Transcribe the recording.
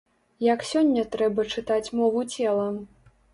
Як сёння трэба чытаць мову цела?